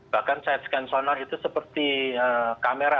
bahkan side scan sonar itu seperti kamera